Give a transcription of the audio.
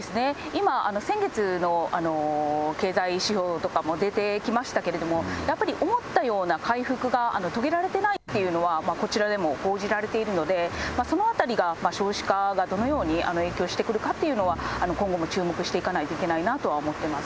今、先月の経済指標とかも出てきましたけれども、やっぱり思ったような回復が遂げられてないっていうのが、こちらでも報じられているので、そのあたりが、少子化がどのように影響してくるのかっていうのは今後も注目していかないといけないなとは思ってます。